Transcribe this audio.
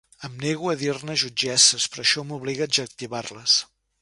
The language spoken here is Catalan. Em nego a dir-ne jutgesses, però això m'obliga a adjectivar-les.